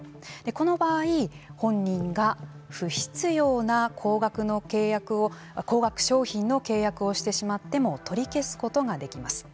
この場合、本人が不必要な高額の契約を高額商品の契約をしてしまっても取り消すことができます。